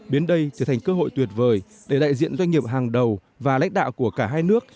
biến đây trở thành cơ hội tuyệt vời để đại diện doanh nghiệp hàng đầu và lãnh đạo của cả hai nước